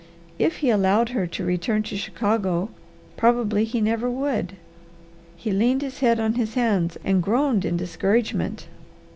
If he allowed her to return to Chicago, probably he never would. He leaned his head on his hands and groaned in discouragement.